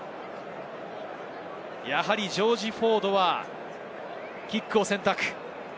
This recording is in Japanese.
やはりジョージ・フォードはキックを選択。